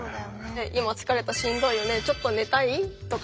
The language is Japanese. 「今疲れたしんどいよねちょっと寝たい？」とか。